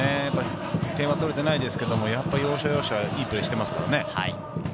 点は取れていないですが、要所要所はいいプレーしていますからね。